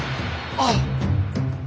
あっ。